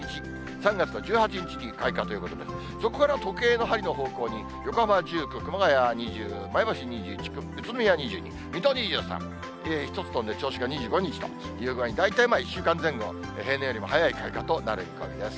３月の１８日に開花ということで、そこからは時計の針の方向に、横浜は１９、熊谷は２０、前橋２１、宇都宮２２、水戸２３、１つ飛んで銚子が２５日という具合に、大体１週間前後、平年よりも早い開花となる見込みです。